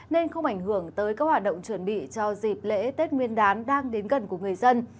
nên không ảnh hưởng tới các hoạt động chuẩn bị cho dịp lễ tết nguyên đán đang đến gần của người dân